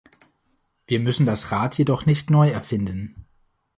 Wir müssen das Rad jedoch nicht neu erfinden.